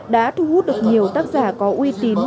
đã thu hút được nhiều tác giả có uy tín